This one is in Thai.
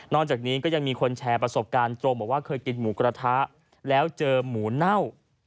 จากนี้ก็ยังมีคนแชร์ประสบการณ์ตรงบอกว่าเคยกินหมูกระทะแล้วเจอหมูเน่า